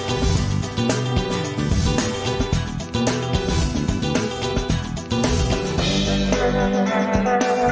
โอ้โหไทยแลนด์